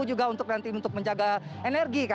juga untuk menjaga energi